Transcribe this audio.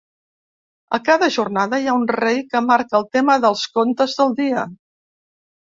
A cada jornada hi ha un rei que marca el tema dels contes del dia.